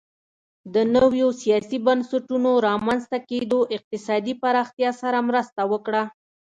د نویو سیاسي بنسټونو رامنځته کېدو اقتصادي پراختیا سره مرسته وکړه